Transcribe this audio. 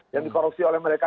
yang dikorupsi oleh mereka